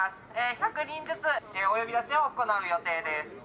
１００人ずつお呼び出しを行う予定です。